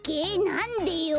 なんでよ！？